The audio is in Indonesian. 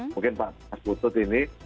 mungkin pak mas putut ini